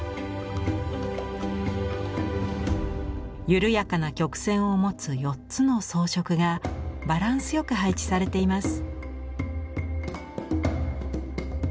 緩やかな曲線を持つ４つの装飾がバランスよく配置されています。